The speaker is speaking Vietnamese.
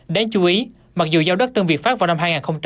đáng chú ý mặc dù giao đất tân việt pháp vào năm hai nghìn một mươi năm